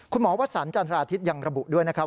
คุณหมอวัฒนาจรรยาอาทิตย์ยังระบุด้วยนะครับ